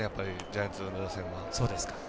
ジャイアンツの打線は。